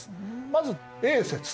まずＡ説。